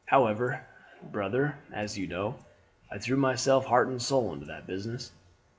However, brother, as you know, I threw myself heart and soul into that business.